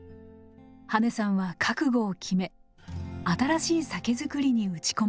羽根さんは覚悟を決め新しい酒造りに打ち込むことに。